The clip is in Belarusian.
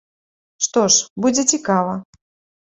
Што ж, будзе цікава.